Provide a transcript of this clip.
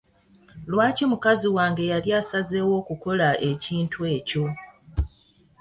Lwaki mukazi wange yali asazeewo okukola ekintu ekyo?